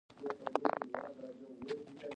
د پیرود ځای پاکوالی ډېر ښه و.